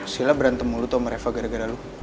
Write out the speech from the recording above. sila berantem lo tau sama riva gara gara lo